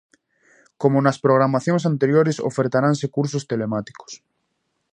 Como nas programacións anteriores, ofertaranse cursos telemáticos.